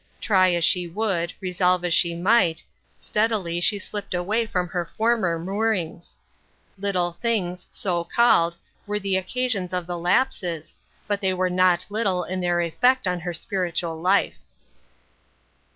Try as she would, resolve as she might, steadily she slipped away from her former moorings. Little things, so called, were the occasions of the lapses, but they were not little in their effect on her spiiit ual life.